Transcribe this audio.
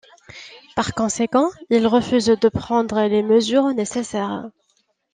Par conséquent, il refuse de prendre les mesures nécessaires.